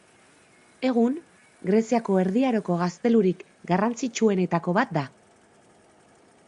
Egun, Greziako Erdi Aroko gaztelurik garrantzitsuenetako bat da.